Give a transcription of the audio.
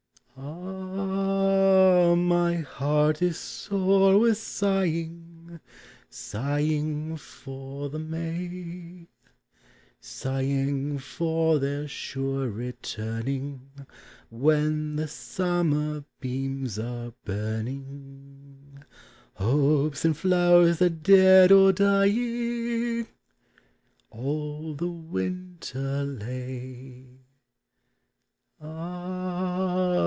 Ah! my heart is sore with sighing, Sighing for the May,— Sighing for their sure returning, When the summer beams arc burning, Hopes and ilowcrs that, dead or dying, All the winter lay. Ah!